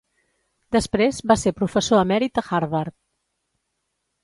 Després va ser professor emèrit a Harvard.